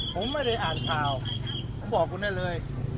ผมไม่ได้อ่านข่าวผมบอกคุณได้เลย